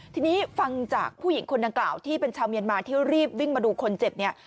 ทีนี้ฟังจากผู้หญิงคนดังกล่าวที่เป็นชาวเมียนมาที่รีบวิ่งมาดูคนเจ็บเนี่ย